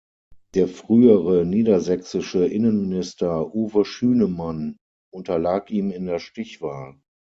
Der frühere niedersächsische Innenminister Uwe Schünemann unterlag ihm in der Stichwahl.